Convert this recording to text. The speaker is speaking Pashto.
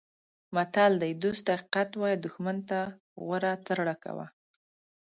متل دی: دوست ته حقیقت وایه دوښمن ته غوره ترړه کوه.